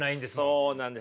そうなんです。